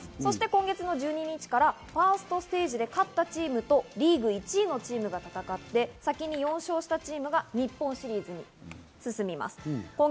今月１２日からファーストステージで勝ったチームとリーグ１位のチームが戦って、先に４勝したチームが日本シリーズに進みます。